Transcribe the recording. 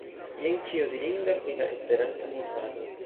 Jen ĉio dirinda pri "La Esperanto-Movado."